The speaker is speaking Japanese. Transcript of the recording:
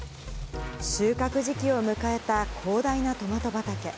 収穫時期を迎えた広大なトマト畑。